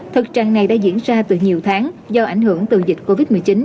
thực trạng này đã diễn ra từ nhiều tháng do ảnh hưởng từ dịch covid một mươi chín